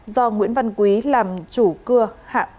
do nguyễn văn quý làm chủ cưa hạ